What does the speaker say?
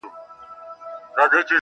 اول بخښنه درڅه غواړمه زه.